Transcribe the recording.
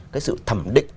cái sự thẩm định